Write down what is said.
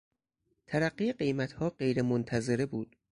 ترقی قیمتها غیرمنتظره بود.